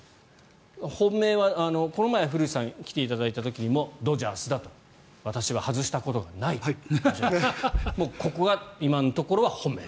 本命はこの前、古内さんに来ていただいた時にもドジャースだと私は外したことがないとおっしゃっていましたがここが今のところは本命。